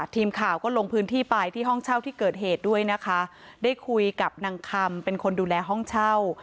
ทีมข่าวก็ลงพื้นที่ไปที่ห้องเช่าที่เกิดเหตุด้วยนะคะได้คุยกับนางคำเป็นคนดูแลห้องเช่า